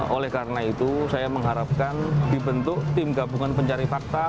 oleh karena itu saya mengharapkan dibentuk tim gabungan pencari fakta